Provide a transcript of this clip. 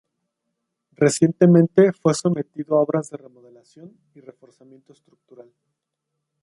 Recientemente fue sometido a obras de remodelación y reforzamiento estructural.